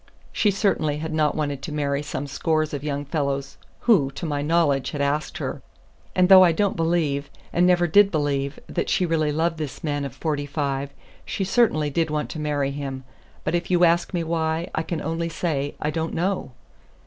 She certainly had not wanted to marry some scores of young fellows who, to my knowledge, had asked her; and though I don't believe, and never did believe, that she really loved this man of forty five, she certainly did want to marry him. But if you ask me why, I can only say I don't know."